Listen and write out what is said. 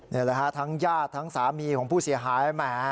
นี่แหละฮะทั้งญาติทั้งสามีของผู้เสียหายแหม